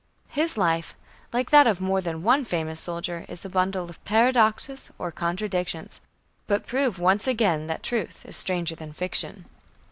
His life, like that of more than one famous soldier is a bundle of paradoxes, or contradictions, but prove once again that "truth is stranger than fiction."